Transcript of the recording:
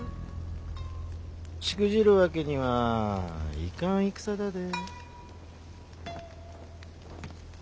しくじるわけにはいかん戦だで。